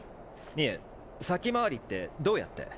いえ先回りってどうやって？